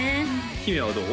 姫はどう？